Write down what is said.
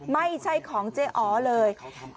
ไม่ใช่ของเจ๊อ๋อเลย